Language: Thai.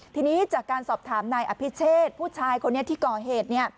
ทีนี้จากการสอบถามนายอภิเชษผู้ชายคนนี้ที่ก่อเหตุเนี่ย